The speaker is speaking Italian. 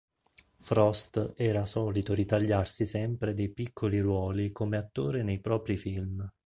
Frost era solito ritagliarsi sempre dei piccoli ruoli come attore nei propri film.